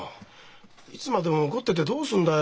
いつまでも怒っててどうするんだよ？